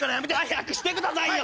早くしてくださいよ！